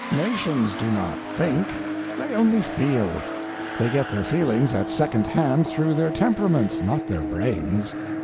Nations do not think, they only feel. They get their feelings at second hand through their temperaments, not their brains.